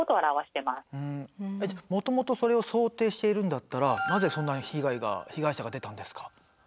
もともとそれを想定しているんだったらなぜそんなに被害が被害者が出たんですか？